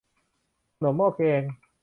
ขนมหม้อแกง